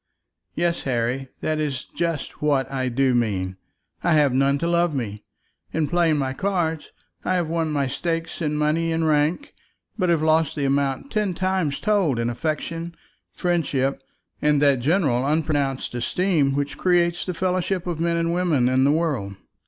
"Yes, Harry; that is just what I do mean. I have none to love me. In playing my cards I have won my stakes in money and rank, but have lost the amount ten times told in affection, friendship, and that general unpronounced esteem which creates the fellowship of men and women in the world.